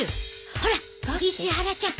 ほら石原ちゃん！